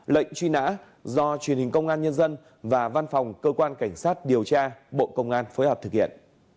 lệnh truy nã do truyền hình công an nhân dân và văn phòng cơ quan cảnh sát điều tra bộ công an phối hợp thực hiện